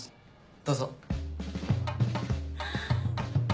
どうぞ。